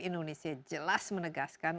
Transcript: indonesia jelas menegaskan